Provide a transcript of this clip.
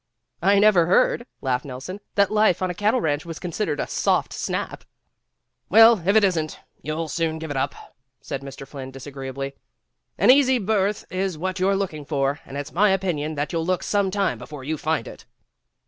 "I never heard," laughed Nelson, "that life on a cattle ranch was considered a soft snap." 172 PEGGY RAYMOND'S WAY "Well, if it isn't, you'll soon give it up, " said Mr. Flynn disagreeably. "An easy berth is what your 're looking for, and it's my opinion that you'll look some time before you find it."